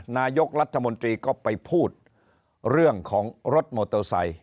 นายกรัฐมนตรีก็ไปพูดเรื่องของรถมอเตอร์ไซค